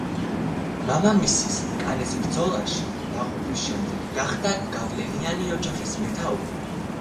მამამისის კანეს ბრძოლაში დაღუპვის შემდეგ გახდა გავლენიანი ოჯახის მეთაური.